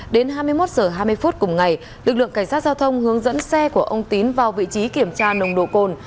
đến hai mươi một h hai mươi phút cùng ngày lực lượng cảnh sát giao thông hướng dẫn xe của ông tín vào vị trí kiểm tra nồng độ cồn